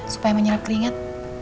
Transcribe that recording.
supaya menyerap keringat